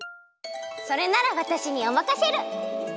それならわたしにおまかシェル！